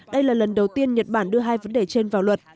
đây là lần đầu tiên nhật bản đưa hai vấn đề trên vào luật